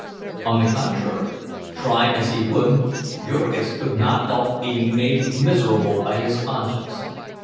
On the contrary, try as he would, Jurgis could not help being made miserable by his conscience.